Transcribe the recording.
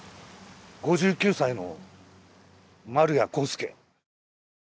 ５９歳の丸谷康介。